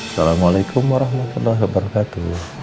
assalamualaikum warahmatullahi wabarakatuh